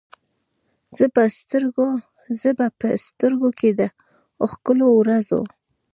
زه به په سترګو کې، د ښکلو ورځو،